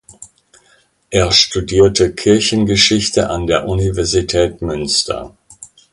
Er studierte Kirchengeschichte an der Universität Münster.